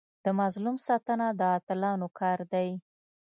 د مظلوم ساتنه د اتلانو کار دی.